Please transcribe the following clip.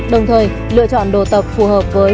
đồng thời lựa chọn đồ tập phù hợp với